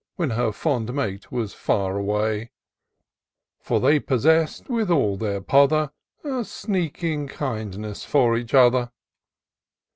When her fond mate was far away : For they possess'd, with all their pother, A sneaking kindness for each other.